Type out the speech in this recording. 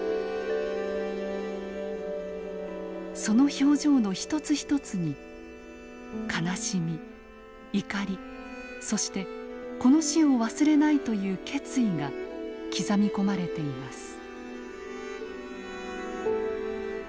その表情の一つ一つに悲しみ怒りそしてこの死を忘れないという決意が刻み込まれています。